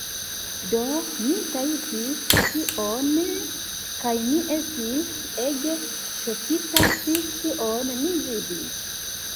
Do, mi tajpis tion... kaj mi estis ege ŝokita pri kion mi vidis